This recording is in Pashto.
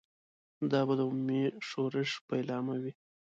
دا به د عمومي ښورښ پیلامه وي.